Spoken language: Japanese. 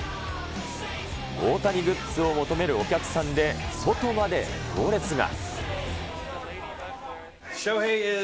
大谷グッズを求めるお客さんで、外まで行列が。